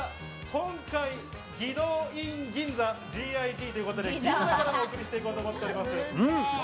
今回、義堂ＩＮ銀座、ＧＩＧということで銀座からお送りして行こうと思っています。